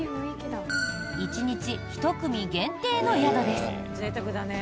１日１組限定の宿です。